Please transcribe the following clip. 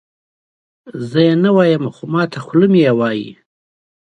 زه یې نه وایم خو ماته خوله مې یې وایي.